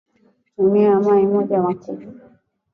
tumia yai moja kubwa